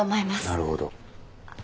なるほど。